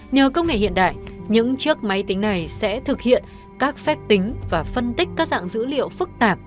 nhờ công nghệ hiện đại những chiếc máy tính này sẽ thực hiện các phép tính và phân tích các dạng dữ liệu phức tạp với tốc độ không thể hình dung được